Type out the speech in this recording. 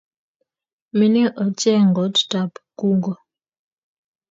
Mining ochei goot tab kugo